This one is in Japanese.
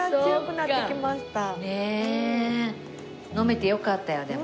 飲めてよかったよでも。